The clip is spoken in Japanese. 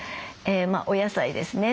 お野菜ですね